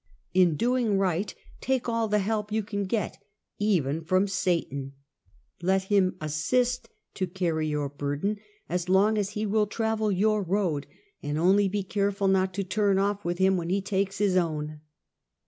In doing right, take all the help you can get, even from Satan. Let him assist to carry your burden as long as he will travel your road, and only be careful not to turn off with him when he takes his own.